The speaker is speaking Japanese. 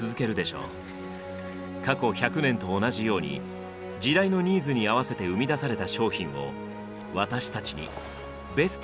過去１００年と同じように時代のニーズに合わせて生み出された商品を私たちにベストな形で届けてくれるでしょう。